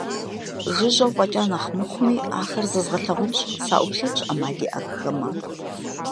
Жыжьэу фӀэкӀа нэхъ мыхъуми, ахэр зэзгъэлъагъунщ, саӀуплъэнщ Ӏэмал иӀэххэмэ.